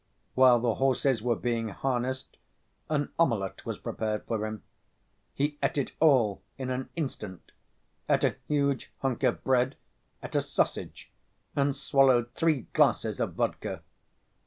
While the horses were being harnessed, an omelette was prepared for him. He ate it all in an instant, ate a huge hunk of bread, ate a sausage, and swallowed three glasses of vodka.